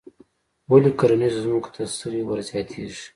ولې کرنیزو ځمکو ته سرې ور زیاتیږي؟